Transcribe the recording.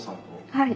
はい。